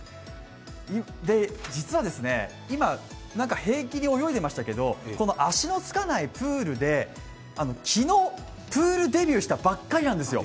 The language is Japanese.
実は、今平気で泳いでいましたけどこの足のつかないプールで昨日、プールデビューしたばっかりなんですよ。